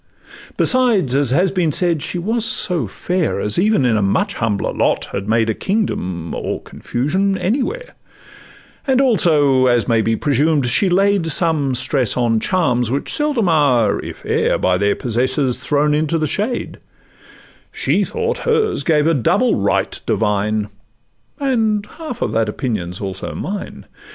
Besides, as has been said, she was so fair As even in a much humbler lot had made A kingdom or confusion anywhere, And also, as may be presumed, she laid Some stress on charms, which seldom are, if e'er, By their possessors thrown into the shade: She thought hers gave a double 'right divine;' And half of that opinion 's also mine.